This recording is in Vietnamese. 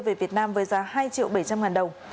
về việt nam với giá hai triệu bảy trăm linh ngàn đồng